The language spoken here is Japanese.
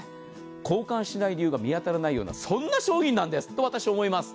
交換しない理由が見当たらないような商品だと私は思います。